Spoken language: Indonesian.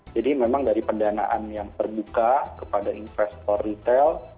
jadi memang dari pendanaan yang terbuka kepada investor retail